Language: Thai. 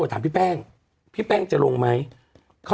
อันคารที่ผ่านมานี่เองไม่กี่วันนี่เอง